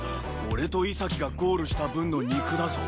俺と潔がゴールした分の肉だぞ！